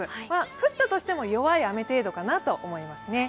降ったとしても弱い雨程度かなと思いますね。